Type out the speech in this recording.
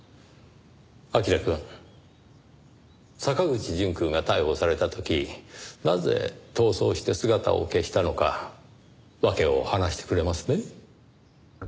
彬くん。坂口淳くんが逮捕された時なぜ逃走して姿を消したのか訳を話してくれますね？